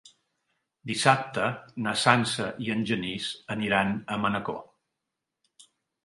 Dissabte na Sança i en Genís aniran a Manacor.